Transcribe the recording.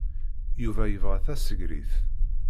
Yuba yebɣa tasegrit.